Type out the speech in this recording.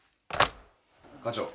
課長。